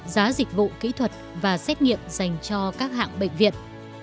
giá dịch vụ kỹ thuật và xét nghiệm dành cho các hạng bệnh viện